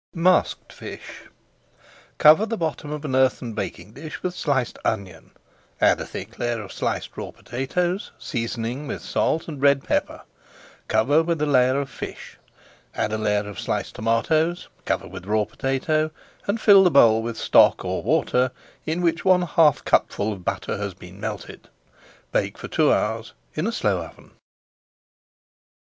MASKED FISH Cover the bottom of an earthen baking dish with sliced onion, add a thick layer of sliced raw potatoes, seasoning with salt and red pepper. Cover with a layer of fish, add a layer of sliced tomatoes, cover with raw potato, and fill the bowl with stock or water in which one half cupful of butter has been melted. Bake for two hours in a slow oven.